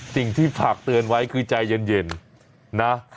สิ่งที่ฝากเตือนไว้คือใจเย็นนะ